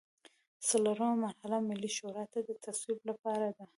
څلورمه مرحله ملي شورا ته د تصویب لپاره ده.